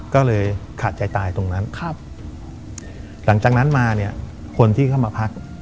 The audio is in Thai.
ก็เลยขาดใจตายตรงนั้นครับหลังจากนั้นมาเนี่ยคนที่เข้ามาพัก